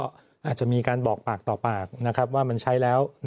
อาจจะมีการบอกปากต่อปากนะครับว่ามันใช้แล้ว